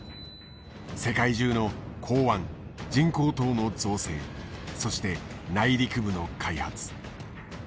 世界中の港湾人工島の造成そして内陸部の開発。